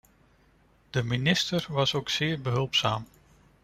De minister was ook zeer behulpzaam.